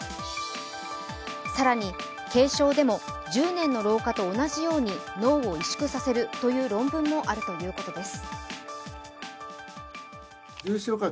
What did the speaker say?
更に、軽症でも１０年の老化と同じように脳を萎縮させるという論文もあるということです。